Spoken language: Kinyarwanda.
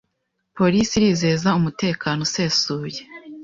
Polisi irizeza umutekano usesuye